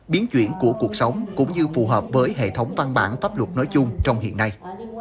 biến chuyển của cuộc sống cũng như phù hợp với hệ thống văn bản pháp luật nói chung trong hiện nay